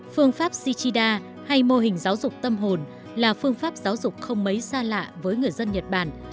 phương pháp shichida hay mô hình giáo dục tâm hồn là phương pháp giáo dục không mấy xa lạ với người dân nhật bản